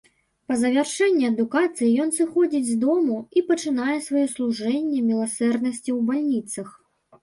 Па завяршэнні адукацыі ён сыходзіць з дому, і пачынае сваё служэнне міласэрнасці ў бальніцах.